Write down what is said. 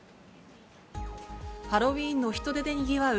ハロウィーンの人出でにぎわう